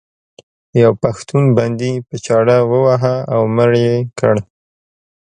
یو پښتون بندي په چاړه وواهه او مړ یې کړ.